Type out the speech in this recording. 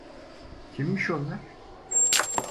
Kimmiş onlar?